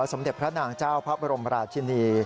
สมเด็จพระนางเจ้าพระบรมราชินี